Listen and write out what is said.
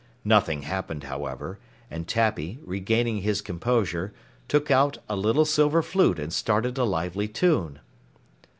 Nothing happened, however, and Tappy, regaining his composure, took out a little silver flute and started a lively tune.